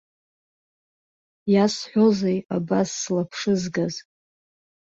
Иасҳәозеи абас слаԥшызгаз?